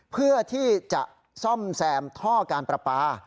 เพื่อที่จะซ่อมแซมท่อการประปา